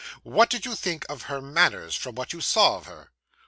What did you think of her manners, from what you saw of her?